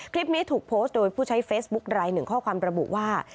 คลิปนี้ถูกโพสต์โดยผู้ใช้เฟซบุ๊คลายหนึ่งข้อความระบุว่า